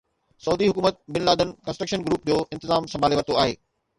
سعودي حڪومت Bin Laden construction group جو انتظام سنڀالي ورتو آهي